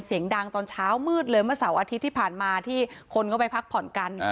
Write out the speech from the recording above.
เสียงดังตอนเช้ามืดเลยเมื่อเสาร์อาทิตย์ที่ผ่านมาที่คนก็ไปพักผ่อนกัน